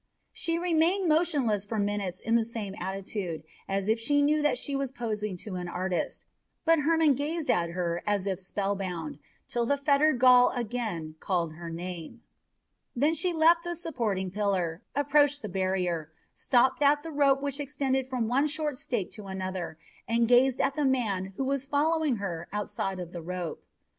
She remained motionless for minutes in the same attitude, as if she knew that she was posing to an artist; but Hermon gazed at her as if spell bound till the fettered Gaul again called her name. Then she left the supporting pillar, approached the barrier, stopped at the rope which extended from one short stake to another, and gazed at the man who was following her outside of the rope.